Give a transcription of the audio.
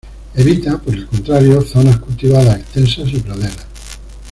Evita, por el contrario, zonas cultivadas extensas y praderas.